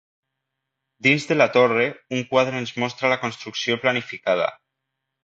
Dins de la torre, un quadre en mostra la construcció planificada.